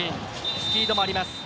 スピードもあります。